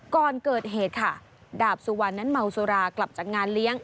ก่อนเกิดเหตุค่ะดาบสุวรรณนั้นเมาสุรากลับจากงานเลี้ยง